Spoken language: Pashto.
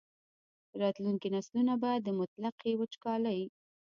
راتلونکي نسلونه به د مطلقې وچکالۍ.